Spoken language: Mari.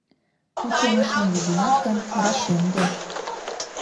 Пучымышым лугенат гын, рашемде.